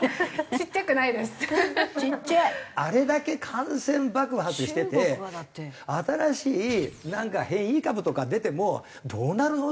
あれだけ感染爆発してて新しい変異株とか出てもどうなるの？って。